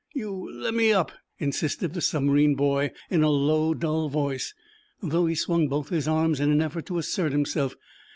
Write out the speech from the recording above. "You lemme up," insisted the submarine boy, in a low, dull voice, though he swung both his arms in an effort to assert himself.